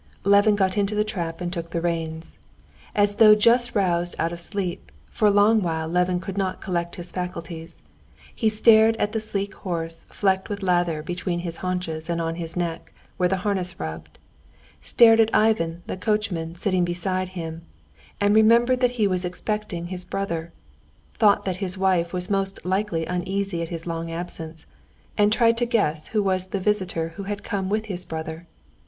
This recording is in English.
Levin got into the trap and took the reins. As though just roused out of sleep, for a long while Levin could not collect his faculties. He stared at the sleek horse flecked with lather between his haunches and on his neck, where the harness rubbed, stared at Ivan the coachman sitting beside him, and remembered that he was expecting his brother, thought that his wife was most likely uneasy at his long absence, and tried to guess who was the visitor who had come with his brother.